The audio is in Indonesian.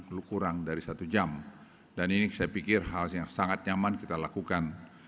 perlu kurang dari satu jam dan ini saya pikir hal yang sangat nyaman kita lakukan